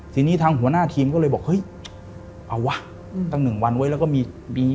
ทีนี้ทางหัวหน้าทีมก็เลยบอกเฮ้ยเอาวะตั้ง๑วันเว้ยแล้วก็มี